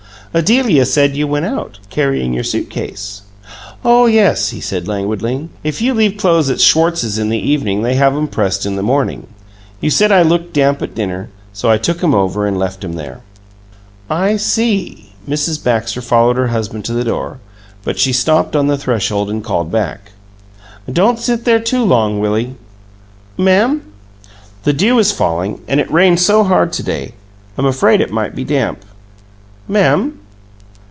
"Adelia said you went out, carrying your suit case." "Oh yes," he said, languidly. "If you leave clothes at Schwartz's in the evening they have 'em pressed in the morning. You said I looked damp at dinner, so I took 'em over and left 'em there." "I see." Mrs. Baxter followed her husband to the door, but she stopped on the threshold and called back: "Don't sit there too long, Willie." "Ma'am?" "The dew is falling and it rained so hard to day I'm afraid it might be damp." "Ma'am?"